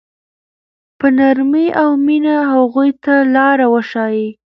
په نرمۍ او مینه هغوی ته لاره وښایئ.